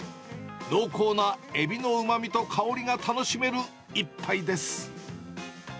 濃厚なエビのうまみと香りが楽しめる一杯です。